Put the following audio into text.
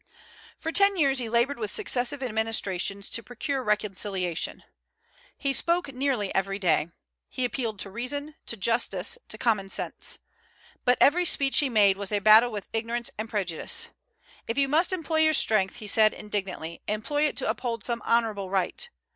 For ten years he labored with successive administrations to procure reconciliation. He spoke nearly every day. He appealed to reason, to justice, to common sense. But every speech he made was a battle with ignorance and prejudice. "If you must employ your strength," said he indignantly, "employ it to uphold some honorable right.